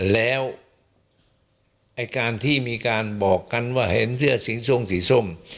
แล้วไอ้การที่มีการบอกกันว่าเห็นเสื้อสีส้มสีส้ม